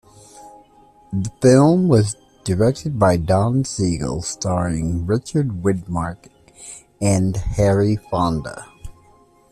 The film was directed by Don Siegel, starring Richard Widmark and Henry Fonda.